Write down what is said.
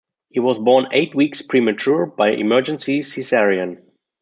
He was born eight weeks premature by emergency Caesarean.